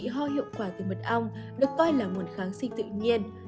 ho hiệu quả từ mật ong được coi là nguồn kháng sinh tự nhiên